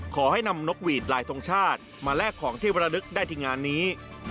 ขอให้นำนกหวีดลายทรงชาติมาแลกของที่วรลึกได้ที่งานนี้